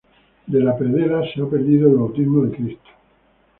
De la predela se ha perdido el "Bautismo de Cristo".